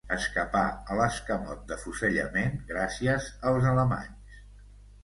Escapà a l'escamot d'afusellament gràcies als alemanys.